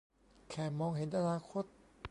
แค่มองเห็นอนาคต